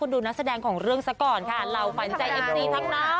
ดูนักแสดงของเรื่องซะก่อนค่ะเหล่าขวัญใจเอฟซีทั้งนั้น